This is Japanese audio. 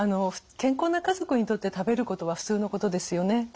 健康な家族にとって食べることは普通のことですよね。